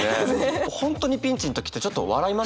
本当にピンチの時ってちょっと笑いますよね。